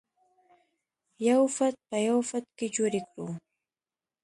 یو فټ په یو فټ کې جوړې کړو.